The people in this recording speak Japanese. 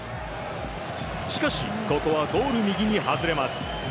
しかし、ここはゴール右に外れます。